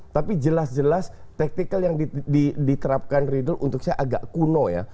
tapi jelas jelas taktikal yang diterapkan riddle untuk saya agak kuno ya